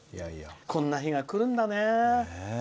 こんな日がくるんだね。